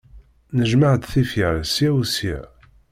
Njemmeɛ-d tifyar ssya u ssya.